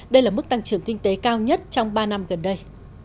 đây là mức tăng trưởng kinh tế cao nhất trong ba năm gần đây